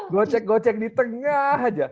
gocek gocek di tengah aja